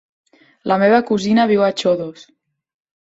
La meva cosina viu a Xodos.